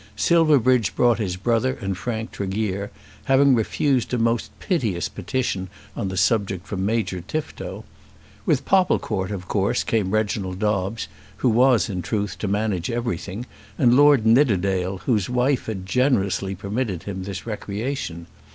Silverbridge brought his brother and Frank Tregear, having refused a most piteous petition on the subject from Major Tifto. With Popplecourt of course came Reginald Dobbes, who was, in truth, to manage everything, and Lord Nidderdale, whose wife had generously permitted him this recreation.